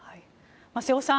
瀬尾さん